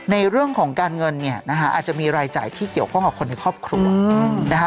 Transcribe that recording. ในเรื่องของการเงินอาจจะมีรายจ่ายที่เกี่ยวข้องกับคนในครอบครัว